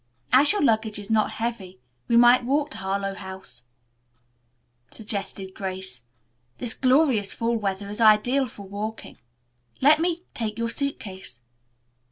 "As your luggage is not heavy, we might walk to Harlowe House," suggested Grace. "This glorious fall weather is ideal for walking. Let me take your suit case."